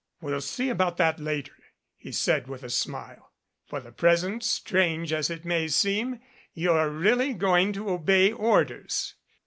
"We'll see about that later," he said with a smile. "For the present, strange as it may seem, you're really going to obey orders